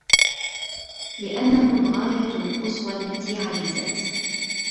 لأنه الغاية القصوى التي عجزت